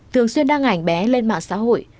thường xuyên đăng ảnh bé lên mạng xã hội